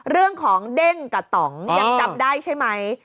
เรื่องของเด้งกับต่องยังจำได้ใช่ไหม